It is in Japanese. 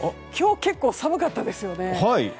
今日、結構寒かったですよね。